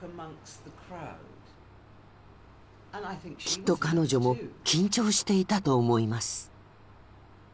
きっと彼女も緊張していたと思います。